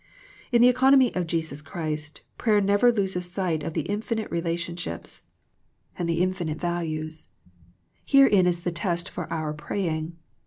In the economy of Jesus Christ, prayer never loses sight of the infinite relationships and the 88 THE PEACTICE OF PEAYEE infinite values. Herein is the test for our pray ing.